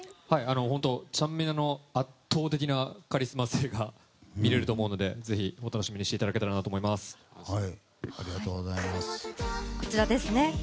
ちゃんみなの圧倒的なカリスマ性が見れると思うのでぜひ楽しみにしていただけたらなと思います。